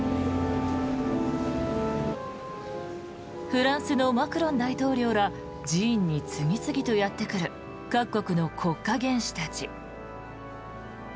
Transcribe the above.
フランスのマクロン大統領ら寺院に次々とやってくる各国の国家元首たち。